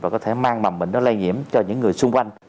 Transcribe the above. và có thể mang mầm bệnh nó lây nhiễm cho những người xung quanh